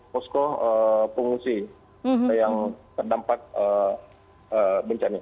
posko pengungsi yang terdampak bencana